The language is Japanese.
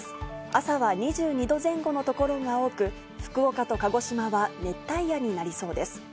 朝は２２度前後の所が多く、福岡と鹿児島は熱帯夜になりそうです。